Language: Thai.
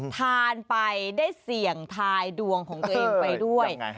ทานไปได้เสี่ยงทายดวงของตัวเองไปด้วย